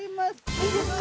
いいですか？